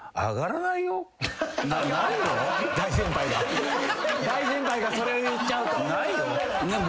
大先輩が大先輩がそれを言っちゃうと。